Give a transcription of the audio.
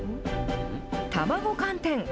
卵寒天。